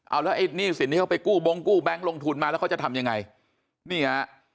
เอาแล้วไอ้หนี้สินที่เขาไปกู้บงกู้แบงค์ลงทุนมาแล้วเขาจะทำยังไงนี่ฮะ